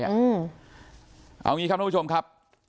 เอาอย่างนี้ครับทุกผู้ชมครับ